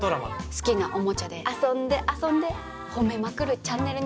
好きなおもちゃで遊んで遊んでほめまくるチャンネルにしようかと。